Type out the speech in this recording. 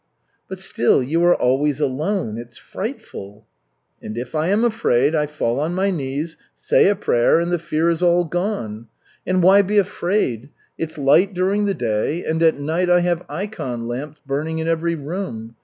"But still, you are always alone. It's frightful." "And if I am afraid, I fall on my knees, say a prayer, and the fear is all gone. And why be afraid? It's light during the day, and at night I have ikon lamps burning in every room.